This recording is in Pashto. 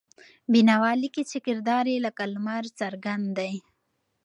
بېنوا لیکي چې کردار یې لکه لمر څرګند دی.